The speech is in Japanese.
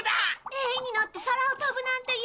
エイに乗って空を飛ぶなんて夢みたい！